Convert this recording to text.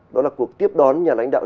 đó là cuộc tiếp đón nhà lãnh đạo